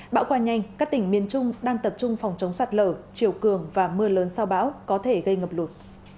bão qua nhanh các tỉnh miền trung đang tập trung phòng chống sạt lở chiều cường và mưa lớn sau bão có thể gây ngập lụt